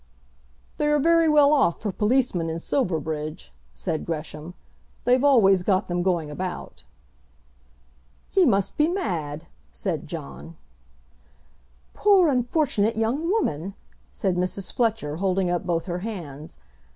"They are very well off for policemen in Silverbridge," said Gresham. "They've always got them going about." "He must be mad," said John. "Poor unfortunate young woman!" said Mrs. Fletcher, holding up both her hands.